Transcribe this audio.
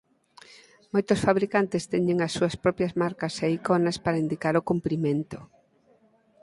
Moitos fabricantes teñen as súas propias marcas e iconas para indicar o cumprimento.